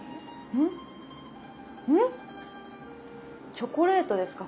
チョコレートですか？